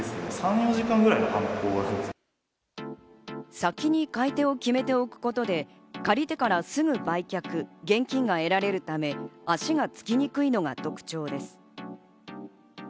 先に買手を決めておくことで借りてからすぐに売却、現金が得られるため足がつきにくいのが特徴です。